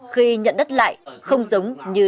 khi nhận đất lại không giống như